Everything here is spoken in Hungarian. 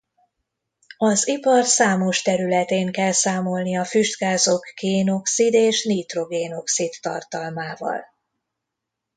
Az ipar számos területén kell számolni a füstgázok kén-oxid és nitrogén-oxid tartalmával.